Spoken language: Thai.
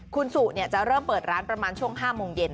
คุณสุจะเริ่มเปิดร้านประมาณช่วง๕โมงเย็น